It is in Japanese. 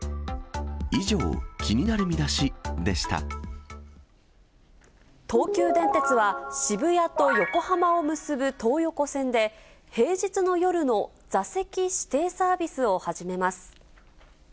以上、東急電鉄は、渋谷と横浜を結ぶ東横線で、平日の夜の座席指定サービスを始めます。